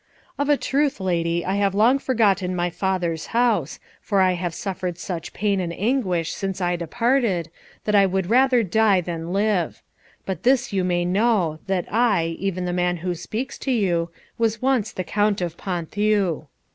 "Of a truth, lady, I have long forgotten my father's house, for I have suffered such pain and anguish since I departed, that I would rather die than live. But this you may know, that I even the man who speaks to you was once the Count of Ponthieu."